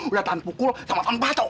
udah tanpa pukul sama tanpa pacot